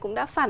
không dung túng